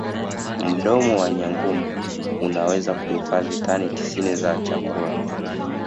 mdomo wa nyangumi unaweza kuhifazi tani tisini za chakula